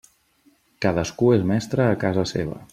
Cadascú és mestre a casa seva.